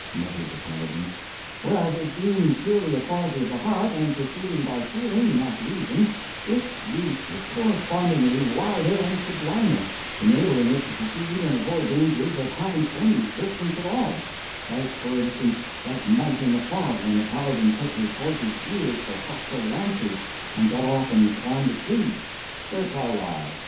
muttered the Paladin. "—whereas, it being purely a quality of the heart, and proceeding by feeling, not reason, its reach is correspondingly wider and sublimer, enabling it to perceive and avoid dangers that haven't any existence at all; as, for instance, that night in the fog, when the Paladin took his horse's ears for hostile lances and got off and climbed a tree—" "It's a lie!